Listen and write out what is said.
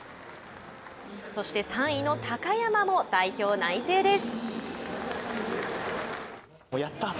そして３位の高山も代表内定です。